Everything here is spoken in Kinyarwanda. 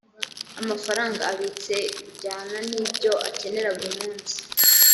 amafaranga abitse bijyana n’i byo akenera buri munsi